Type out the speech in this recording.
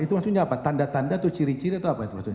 itu maksudnya apa tanda tanda atau ciri ciri atau apa itu maksudnya